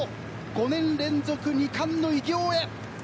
さあ、名城５年連続２冠の偉業へ。